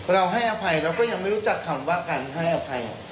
เราให้อภัยเราก็ยังไม่รู้จักคำว่าการให้อภัย